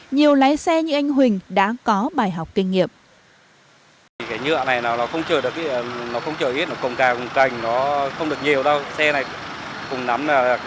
nhiều lái xe như anh huỳnh đã có bài học kinh nghiệm